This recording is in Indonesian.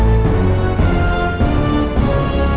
aku mau mencoba